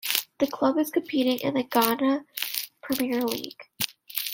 The club is competing in the Ghana Premier League.